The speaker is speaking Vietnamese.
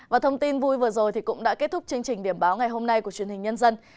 và thông tin vui vừa rồi cũng đã kết thúc chương trình điểm báo ngày hôm nay của truyền hình nhân dân